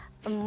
gak pernah mau